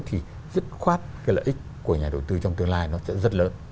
thì dứt khoát cái lợi ích của nhà đầu tư trong tương lai nó sẽ rất lớn